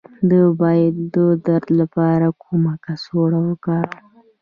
د بیضو د درد لپاره کومه کڅوړه وکاروم؟